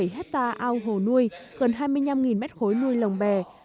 tám trăm hai mươi bảy hectare ao hồ nuôi gần hai mươi năm mét khối nuôi lồng bè